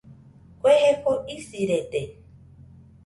Kue jefo isirede